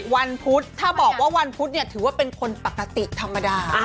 วันพุธถ้าบอกว่าวันพุธเนี่ยถือว่าเป็นคนปกติธรรมดา